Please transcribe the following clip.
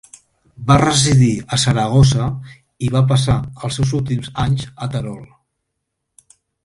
Va residir a Saragossa, i va passar els seus últims anys a Terol.